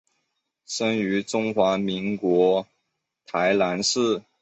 出生于中华民国台南市。